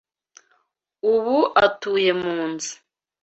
Ubu atuye mu nzu